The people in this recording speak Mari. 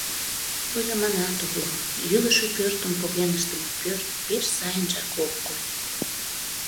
Ойлыманат огыл, йӱлышӧ пӧртым поген ыштыме пӧрт пеш сайынжак ок кой.